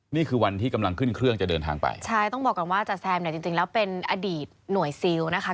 นี่คือวันที่กำลังขึ้นเครื่องจะเดินทางไปใช่ต้องบอกก่อนว่าจ๋แซมเนี่ยจริงจริงแล้วเป็นอดีตหน่วยซิลนะคะ